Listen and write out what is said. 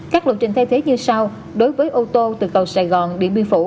các lộ trình thay thế như sau đối với ô tô từ cầu sài gòn điện biên phủ